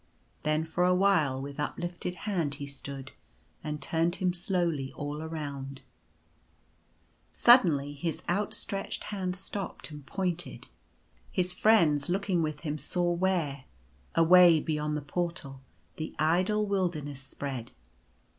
Then for a while with uplifted hand he stood, and turned him slowly all around. Suddenly his outstretched hand stopped and pointed. His friends looking with him saw, where, away beyond the Portal, the idle wilderness spread.